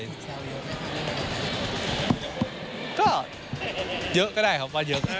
ว่าเยอะก็ได้ครับว่าเยอะ